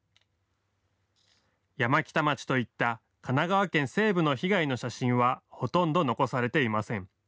山北町といった神奈川県西部の被害の写真はほとんど残されていません。